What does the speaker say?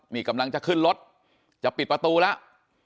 นี่กำลังจะขึ้นรถจะปิดประตูแล้ว